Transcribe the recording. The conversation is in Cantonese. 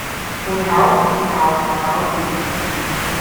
會考唔同校內考試